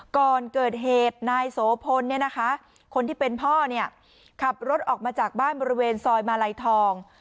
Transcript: ก่อนเกิดเหตุนายโสพลคนที่เป็นพ่อเนี่ยขับรถออกมาจากบ้านบริเวณซอยมาลัยทอง